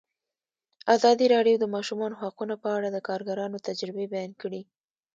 ازادي راډیو د د ماشومانو حقونه په اړه د کارګرانو تجربې بیان کړي.